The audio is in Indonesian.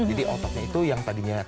jadi otaknya itu yang tadi menyebabkan